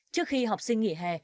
trước khi học sinh nghỉ hè